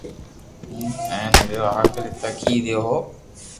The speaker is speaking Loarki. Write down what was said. ھون ھين رھيو آخري تڪ ھي رھيو ھون